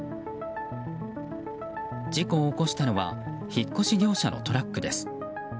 事故を起こしたのは引っ越し業者のトラックです。